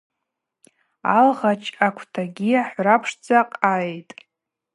Алгъачӏ аквтагьи ахӏврапшдза къагӏитӏ.